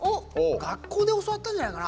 学校で教わったんじゃないかな。